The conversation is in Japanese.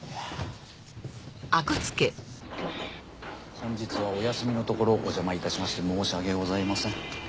本日はお休みのところおじゃまいたしまして申し訳ございません。